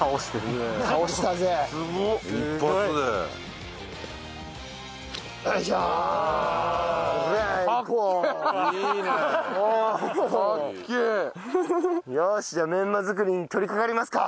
よしじゃあメンマ作りに取りかかりますか！